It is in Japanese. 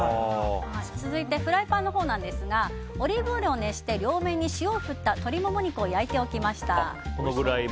続いてフライパンですがオリーブオイルを熱して両面に塩を振った鶏モモ肉を焼いておきました。